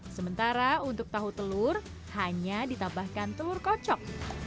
sementara untuk tahu telur hanya ditambahkan telur kocok